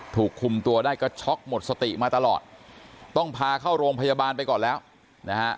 ถูกคุมตัวได้ก็ช็อกหมดสติมาตลอดต้องพาเข้าโรงพยาบาลไปก่อนแล้วนะฮะ